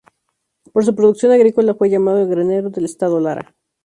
Por su producción agrícola fue llamado "El Granero del Estado Lara".